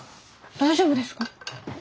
大丈夫ですか？